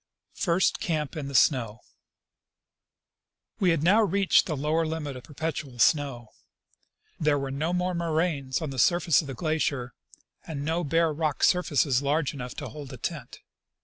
First Camp in the Snow. We had now reached the lower limit of perpetual snow. There were no more moraines on the surface of the glacier, and no bare rock surfaces large enough to hold a tent.